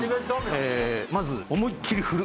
まず思いっきり振る！